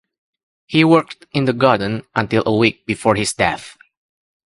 He worked in the garden until a week before his death.